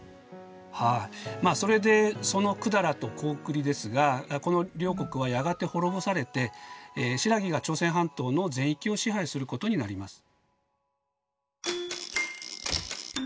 はいまあそれでその百済と高句麗ですがこの両国はやがて滅ぼされて新羅が朝鮮半島の全域を支配することになります。